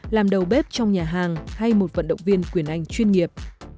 làm đầu bếp trong nhà hàng hay một vận động viên quyền anh chuyên nghiệp